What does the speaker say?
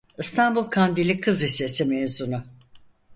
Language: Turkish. İstanbul Kandilli Kız Lisesi mezunu.